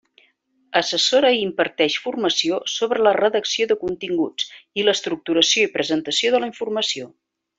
Assessora i imparteix formació sobre la redacció de continguts i l'estructuració i presentació de la informació.